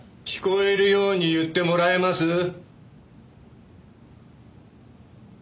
聞こえるように言ってもらえます？